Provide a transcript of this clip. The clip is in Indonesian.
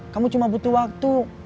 kamu cuma butuh waktu